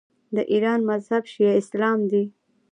د ایران مذهب شیعه اسلام دی.